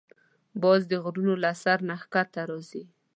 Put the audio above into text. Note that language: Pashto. باز د غرونو له سر نه ښکته راځي